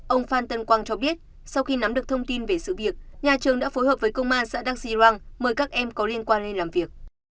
ông phan tân quang cho biết sau khi nắm được thông tin về sự việc nhà trường đã phối hợp với công an xã đăng xi răng mời các em có liên quan lên làm việc